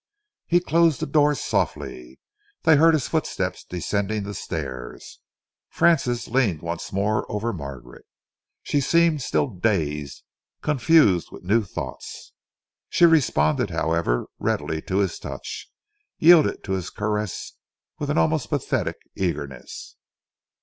He closed the door softly. They heard his footsteps descending the stairs. Francis leaned once more over Margaret. She seemed still dazed, confused with new thoughts. She responded, however, readily to his touch, yielded to his caress with an almost pathetic eagerness.